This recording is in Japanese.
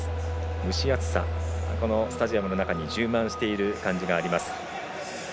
蒸し暑さ、このスタジアムの中に充満している感じがあります。